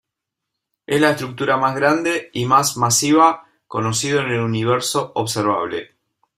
Es la estructura más grande y más masiva conocida en el universo observable.